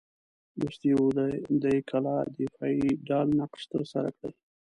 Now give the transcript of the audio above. لوستي وو دې کلا دفاعي ډال نقش ترسره کړی.